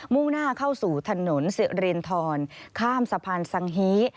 ่งหน้าเข้าสู่ถนนสิรินทรข้ามสะพานสังฮี